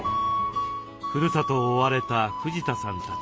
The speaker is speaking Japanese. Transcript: ふるさとを追われた藤田さんたち。